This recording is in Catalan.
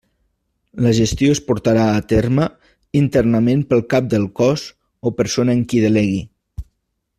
La gestió es portarà a terme internament pel Cap del Cos o persona en qui delegui.